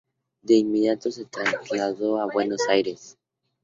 De inmediato se trasladó a Buenos Aires.